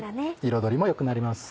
彩りもよくなります。